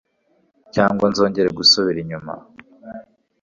cyangwa nzongera gusubira inyuma